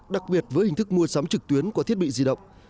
đặc biệt với hình thức mua sắm trực tuyến qua thiết bị di động